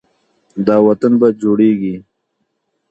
دا وطن به جوړیږي.